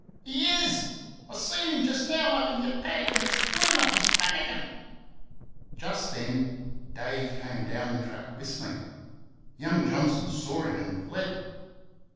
"He IS. I seen 'im just now up in your paddick, an' he's clean off he's pannikin." Just then Dave came down the track whistling. Young Johnson saw him and fled.